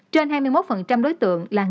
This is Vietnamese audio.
trên hai mươi một đối tượng là người